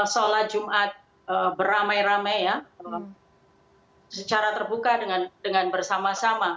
sholat jumat beramai ramai ya secara terbuka dengan bersama sama